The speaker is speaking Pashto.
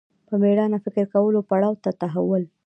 په مېړانه فکر کولو پړاو ته تحول